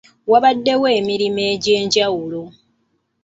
Wabaddewo emirembe egy’enjawulo.